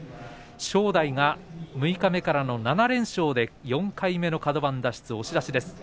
正代は六日目からの７連勝で４回目のカド番脱出押し出しです。